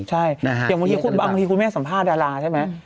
ใช่อย่างบางทีคุณแม่สัมภาษณาราใช่ไหม